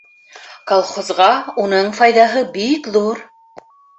Колхозға уның файҙаһы бик ҙур.